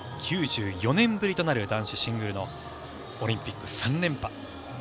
９４年ぶりとなる男子シングルのオリンピック３連覇。